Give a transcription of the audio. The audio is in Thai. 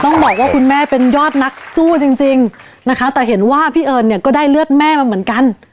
ต้องบอกว่าคุณแม่เป็นยอดนักสู้จริงนะคะแต่เห็นว่าพี่เอิญเนี่ยก็ได้เลือดแม่มาเหมือนกัน